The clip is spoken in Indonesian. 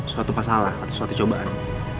suatu masalah atau suatu cobaan